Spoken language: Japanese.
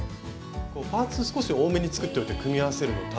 パーツ少し多めに作っておいて組み合わせるの楽しいですよね。